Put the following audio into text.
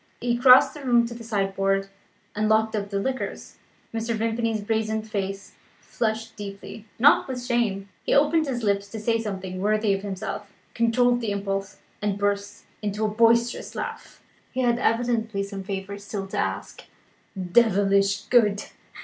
He crossed the room to the sideboard, and locked up the liqueurs. Mr. Vimpany's brazen face flushed deeply (not with shame); he opened his lips to say something worthy of himself, controlled the impulse, and burst into a boisterous laugh. He had evidently some favour still to ask. "Devilish good!"